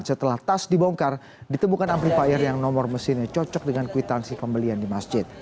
setelah tas dibongkar ditemukan amprifier yang nomor mesinnya cocok dengan kwitansi pembelian di masjid